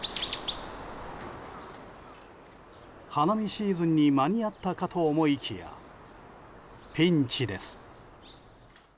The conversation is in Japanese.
花見シーズンに間に合ったかと思いきやピンチです。